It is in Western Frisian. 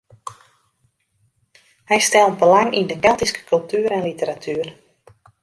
Hy stelt belang yn de Keltyske kultuer en literatuer.